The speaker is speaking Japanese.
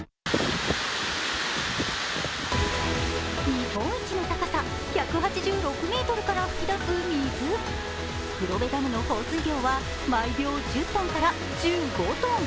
日本一の高さ、１８６ｍから噴き出す水黒部ダムの放水量は、毎秒１０ｔから１５ｔ。